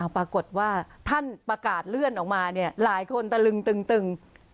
ปรากฏว่าท่านประกาศเลื่อนออกมาเนี่ยหลายคนตะลึงตึง